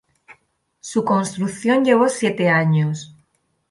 Su construcción llevó siete años.